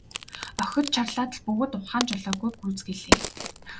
Охид чарлаад л бүгд ухаан жолоогүй гүйцгээлээ.